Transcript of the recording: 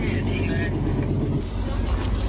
เก็บเวลาได้สิ